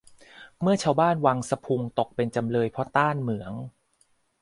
เมื่อชาวบ้านวังสะพุงตกเป็นจำเลยเพราะต้านเหมือง